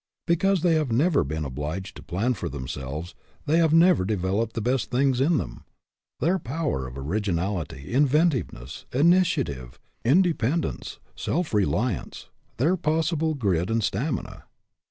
Because they have never been obliged to plan for themselves, they have never developed the best things in them, their power of originality, inventiveness, initiative, independence, self reliance, their possible grit and stamina.